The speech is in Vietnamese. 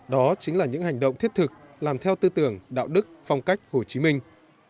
đó chính là những hành động thiết thực làm theo tư tưởng đạo đức phong cách hồ chí minh